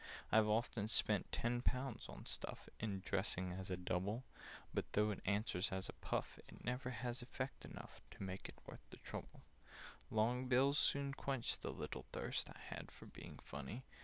"I've often spent ten pounds on stuff, In dressing as a Double; But, though it answers as a puff, It never has effect enough To make it worth the trouble. [Picture: In dressing as a Double] "Long bills soon quenched the little thirst I had for being funny.